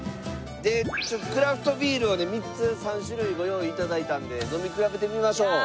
クラフトビールを３つ３種類ご用意いただいたんで飲み比べてみましょう。